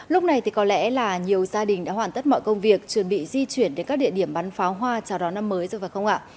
lúc này thì có lẽ là nhiều gia đình đã hoàn tất mọi công việc chuẩn bị di chuyển đến các địa điểm bắn pháo hoa chào đón năm mới rồi phải không ạ